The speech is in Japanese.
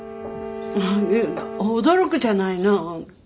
驚くじゃないの。